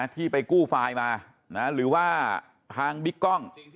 ที่ไปกู้ไฟล์มาหรือว่าทางบิ๊กกล้อง